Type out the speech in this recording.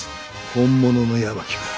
本物の八巻か。